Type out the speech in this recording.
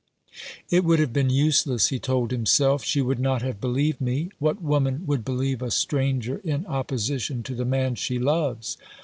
"It would have been useless," he told himself. "She would not have believed me. What woman would believe a stranger in opposition to the man she loves